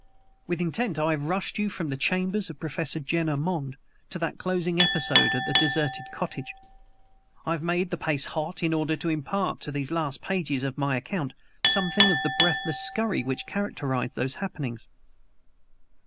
With intent, I have rushed you from the chambers of Professor Jenner Monde to that closing episode at the deserted cottage; I have made the pace hot in order to impart to these last pages of my account something of the breathless scurry which characterized those happenings.